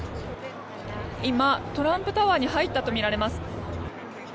今、トランプタワーに入ったとみられます。